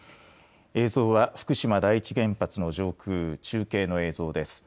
映像は福島第一原発の上空中継の映像です。